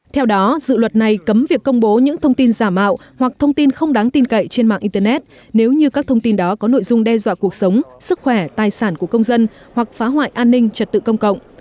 theo đó dự luật này cấm việc công bố những thông tin giả mạo hoặc thông tin không đáng tin cậy trên mạng internet nếu như các thông tin đó có nội dung đe dọa cuộc sống sức khỏe tài sản của công dân hoặc phá hoại an ninh trật tự công cộng